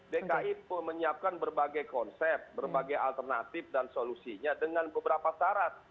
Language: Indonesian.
dki menyiapkan berbagai konsep berbagai alternatif dan solusinya dengan beberapa syarat